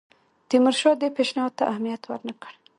تیمورشاه دې پېشنهاد ته اهمیت ورنه کړ.